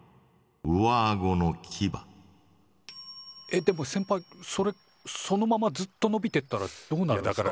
えっでもせんぱいそれそのままずっとのびてったらどうなるんすか？